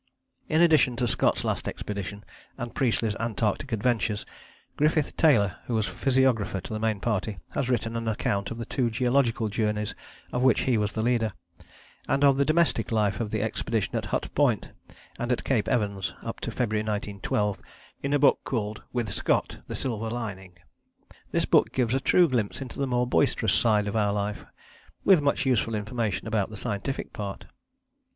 In addition to Scott's Last Expedition and Priestley's Antarctic Adventures, Griffith Taylor, who was physiographer to the Main Party, has written an account of the two geological journeys of which he was the leader, and of the domestic life of the expedition at Hut Point and at Cape Evans, up to February 1912, in a book called With Scott: The Silver Lining. This book gives a true glimpse into the more boisterous side of our life, with much useful information about the scientific part.